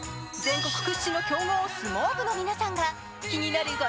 全国屈指の強豪、相撲部の皆さんが気になる